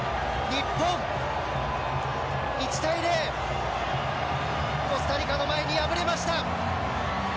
日本１対０コスタリカの前に敗れました。